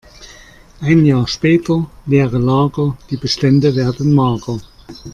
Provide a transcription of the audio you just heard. Ein Jahr später: Leere Lager, die Bestände werden mager.